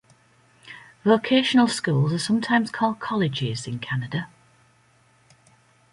Vocational schools are sometimes called "colleges" in Canada.